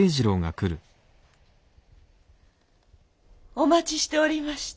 お待ちしておりました。